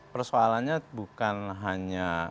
persoalannya bukan hanya